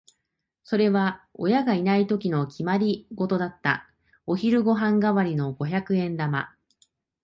それは親がいないときの決まりごとだった。お昼ご飯代わりの五百円玉。